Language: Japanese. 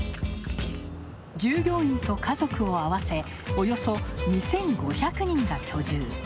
従業員と家族を合わせおよそ２５００人が居住。